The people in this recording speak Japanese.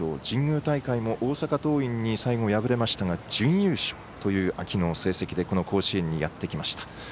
神宮大会も大阪桐蔭に最後敗れましたが準優勝という秋の成績でこの甲子園にやってきました。